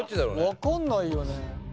分かんないよね。